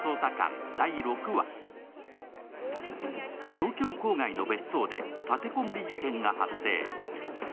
東京郊外の別荘で立て籠もり事件が発生。